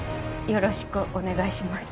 よろしくお願いします